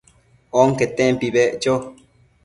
onquetempi beccho